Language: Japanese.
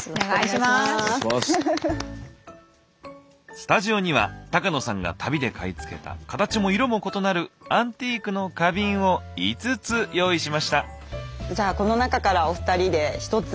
スタジオには高野さんが旅で買い付けたカタチも色も異なるアンティークの花瓶を５つ用意しました。